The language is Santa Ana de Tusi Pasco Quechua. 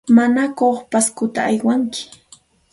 ¿Manaku Pascota aywanki?